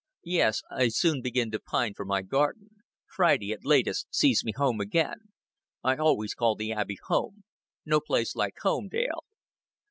"Yes, I soon begin to pine for my garden. Friday, at latest, sees me home again. I always call the Abbey home. No place like home, Dale."